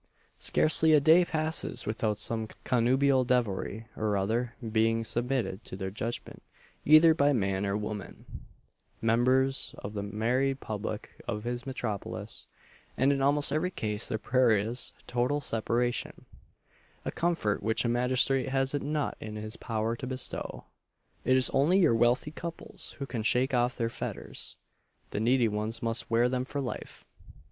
Scarcely a day passes without some connubial devilry, or other, being submitted to their judgment either by man or woman members of the married public of this metropolis; and in almost every case their prayer is, total separation a comfort which a magistrate has it not in his power to bestow. It is only your wealthy couples who can shake off their fetters the needy ones must wear them for life.